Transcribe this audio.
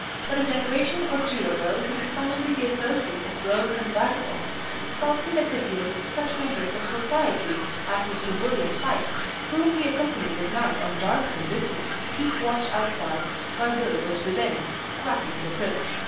But a generation or two ago he was commonly the associate of rogues and vagabonds, skulking at the heels of such members of society as Mr. William Sikes, whom he accompanied at night on darksome business to keep watch outside while Bill was within, cracking the crib.